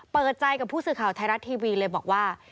เปิดใจกับผู้สื่อข่าวไทยรัฐทีวีเลยบอกว่า